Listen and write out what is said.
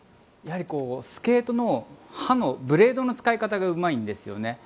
やはりスケートの刃のブレードの使い方がうまいんです。